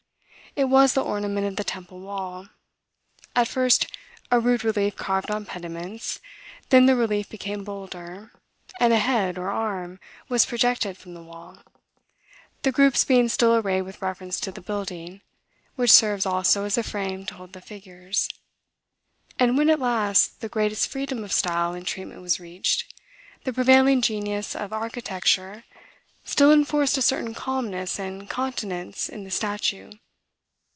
It was the ornament of the temple wall: at first, a rude relief carved on pediments, then the relief became bolder, and a head or arm was projected from the wall, the groups being still arrayed with reference to the building, which serves also as a frame to hold the figures; and when, at last, the greatest freedom of style and treatment was reached, the prevailing genius of architecture still enforced a certain calmness and continence in the statue.